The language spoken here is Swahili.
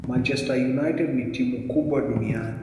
Manchester United ni timu kubwa duniani